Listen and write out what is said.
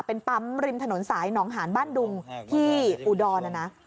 ปั๊มริมถนนสายหนองหาญบ้านดุงที่อูดอนนะนะ